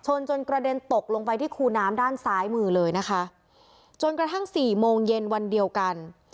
จนกระเด็นตกลงไปที่คูน้ำด้านซ้ายมือเลยนะคะจนกระทั่งสี่โมงเย็นวันเดียวกัน